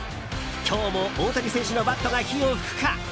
今日も大谷選手のバットが火を噴くか？